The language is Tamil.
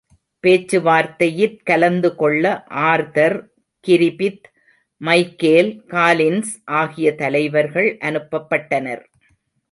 பேச்சுவார்தையிற் கலந்துகொள்ள ஆர்தர் கிரிபித், மைக்கேல் காலின்ஸ் ஆகிய தலைவர்கள் அனுப்பப்பட்டனர்.